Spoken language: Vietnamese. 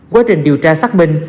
quá trình điều tra xác minh